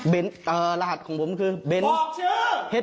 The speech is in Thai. เบนรหัสของผมคือเบนบอกชื่อ